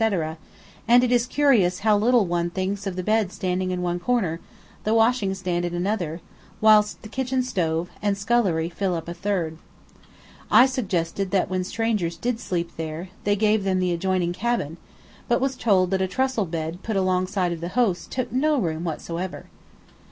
and it is curious how little one now thinks of the bed standing in one corner, the washing stand in another, whilst kitchen stove, and scullery fill up a third. I suggested that when strangers did sleep there they gave them the adjoining cabin; but was told that a trussel bed put alongside of the host's "took no room whatsoever."